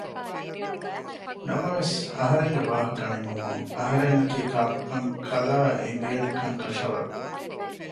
ނަމަވެސް އަހަރެންގެ ވާހަކަ ނިމުމުން އަހަރެންނަކީ ކާކު ކަން ކަލާއަށް އެނގޭނެކަން ކަށަވަރު